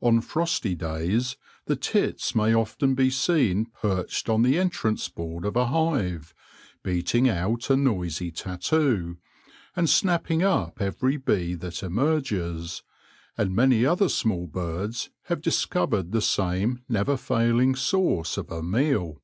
On frosty days the tits may often be seen perched on the en trance board of a hive, beating out a noisy tattoo, and snapping up every bee that emerges ; and many other small birds have discovered the same never failing source of a meal.